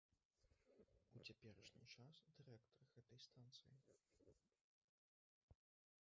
У цяперашні час дырэктар гэтай станцыі.